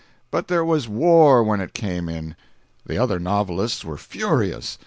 But there was war when it came in. The other novelists were furious.